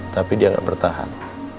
tapi dia gak bertahan